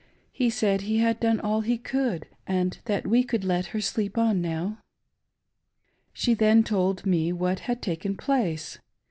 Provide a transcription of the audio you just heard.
He said he had done all he could, and that we could let her sleep on now." She then told me what had taken place.